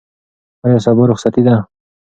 آیا سبا رخصتي ده؟